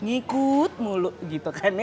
ngikut muluk gitu kan ya